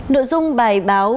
nội dung bài báo